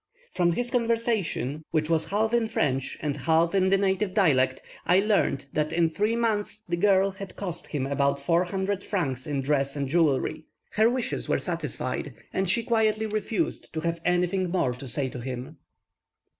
From his conversation, which was half in French and half in the native dialect, I learned that in three months the girl had cost him about four hundred francs in dress and jewellery. Her wishes were satisfied, and she quietly refused to have anything more to say to him.